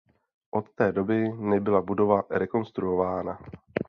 Od té doby nebyla budova rekonstruována.